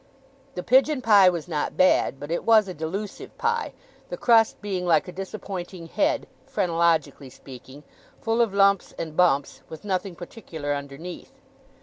The pigeon pie was not bad, but it was a delusive pie: the crust being like a disappointing head, phrenologically speaking: full of lumps and bumps, with nothing particular underneath.